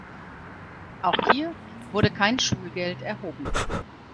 Auch hier wurde kein Schulgeld erhoben.